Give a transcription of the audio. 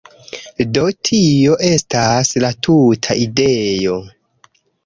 Do, tio estas la tuta ideo